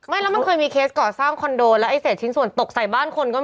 แล้วมันเคยมีเคสก่อสร้างคอนโดแล้วไอเศษชิ้นส่วนตกใส่บ้านคนก็